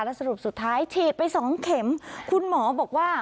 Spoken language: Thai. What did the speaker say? สรุปสุดท้ายฉีดไปสองเข็มคุณหมอบอกว่า